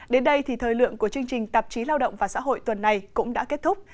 đến đây thì thời lượng của chương trình tạp chí lao động và xã hội tuần này cũng đã kết thúc